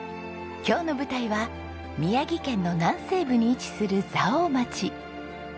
今日の舞台は宮城県の南西部に位置する蔵王町。